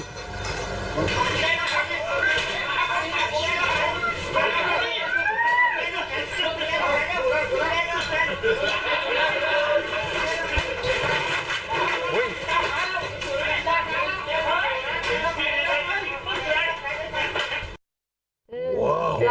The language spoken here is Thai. พร้อมพร้อมพร้อม